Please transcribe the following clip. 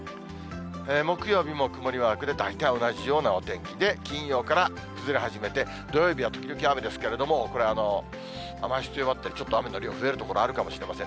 木曜日も曇りマークで大体同じようなお天気で、金曜から崩れ始めて、土曜日は時々雨ですけれども、これは雨足強まったり、ちょっと雨の量、増える所もあるかもしれません。